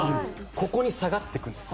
ここに下がっていくんです。